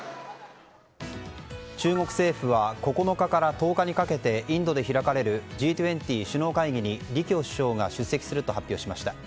中国政府は９日から１０日にかけてインドで開かれるＧ２０首脳会議に李強首相が出席すると発表しました。